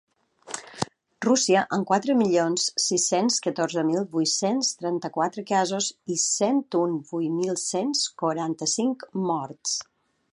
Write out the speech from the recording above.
Rússia, amb quatre milions sis-cents catorze mil vuit-cents trenta-quatre casos i cent un mil vuit-cents quaranta-cinc morts.